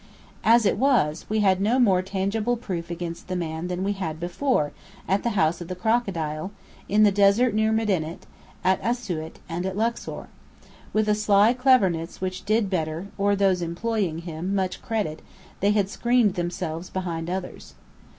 As it was, we had no more tangible proof against the man than we had before, at the House of the Crocodile, in the desert near Medinet, at Asiut, and at Luxor. With a sly cleverness which did Bedr, or those employing him, much credit, they had screened themselves behind others.